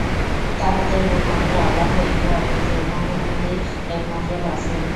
তাঁহাদের মূলমন্ত্র আল্লাহ এক ও অদ্বিতীয়, মহম্মদই একমাত্র রসুল।